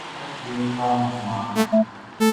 اٹک jail کا مہمان